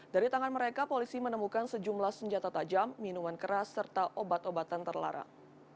dari tangan mereka polisi menemukan sejumlah senjata tajam minuman keras serta obat obatan terlarang